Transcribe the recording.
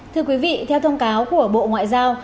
thưa quý vị theo thông cáo của bộ ngoại giao